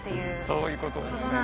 そういうことですね